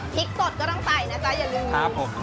พริกสดก็ต้องใส่นะจ๊ะอย่าลืม